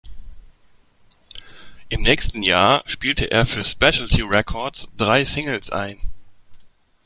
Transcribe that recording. Im nächsten Jahr spielte er für Specialty Records drei Singles ein.